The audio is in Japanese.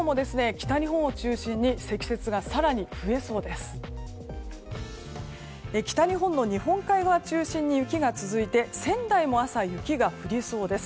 北日本の日本海側を中心に雪が続いて仙台も朝、雪が降りそうです。